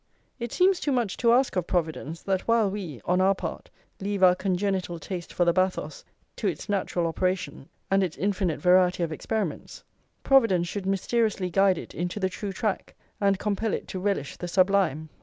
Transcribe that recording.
It seems too much to ask of Providence, that while we, on our part, leave our congenital taste for the bathos to its natural operation and its infinite variety of experiments, Providence should mysteriously guide it into the true track, and compel it to relish the sublime.